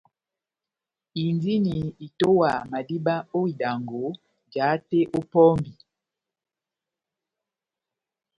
Indini itowaha madíba ó idangɔ, jahate ó pɔmbi.